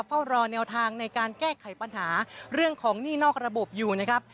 เฝ้ารอแนวทางในการแก้ไขปัญหาเรื่องของหนี้นอกระบบอยู่นะครับ